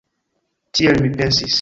Tiel mi pensis.